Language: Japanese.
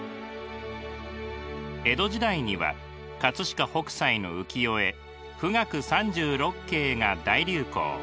江戸時代には飾北斎の浮世絵「富嶽三十六景」が大流行。